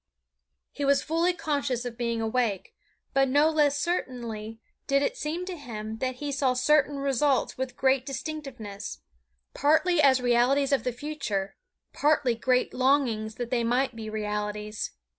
He was fully conscious of being awake, but no less certainly did it seem to him that he saw certain results with great distinctiveness, partly as realities of the future, partly great longings that they might be realities.